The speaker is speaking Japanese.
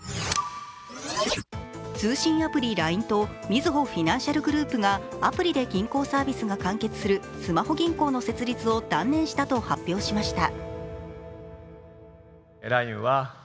通信アプリＬＩＮＥとみずほフィナンシャルグループがアプリで銀行サービスが完結するスマホ銀行の設立を断念したと発表しました。